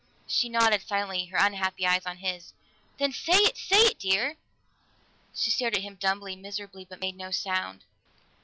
She nodded silently, her unhappy eyes on his. "Then say it! Say it, dear!" She stared at him dumbly, miserably, but made no sound.